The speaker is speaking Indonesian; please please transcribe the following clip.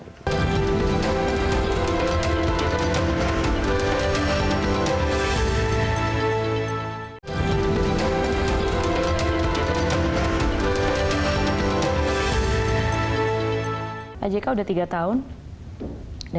beberapa keadaan keliparan